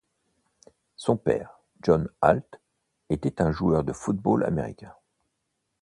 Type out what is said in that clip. Son père, John Alt, était un joueur de football américain.